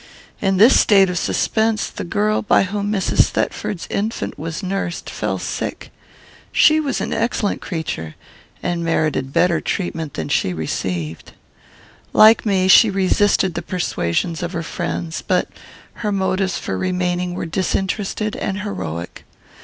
"In this state of suspense, the girl by whom Mrs. Thetford's infant was nursed fell sick. She was an excellent creature, and merited better treatment than she received. Like me, she resisted the persuasions of her friends, but her motives for remaining were disinterested and heroic.